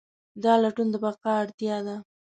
دا لټون د بقا اړتیا ده.